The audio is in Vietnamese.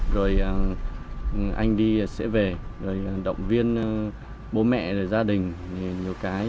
rồi anh đi sẽ về động viên bố mẹ gia đình nhiều cái